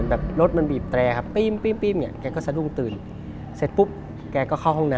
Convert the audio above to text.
แกเลยสะดุ้งตื่น